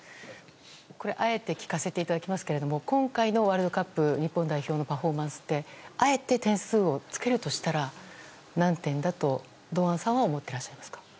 これ、あえて聞かせていただきますが今回のワールドカップ日本代表のパフォーマンスってあえて点数をつけるとしたら何点だと堂安さんは思ってらっしゃいますか。